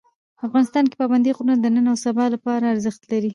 افغانستان کې پابندي غرونه د نن او سبا لپاره ارزښت لري.